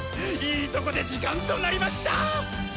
いいとこで時間となりました。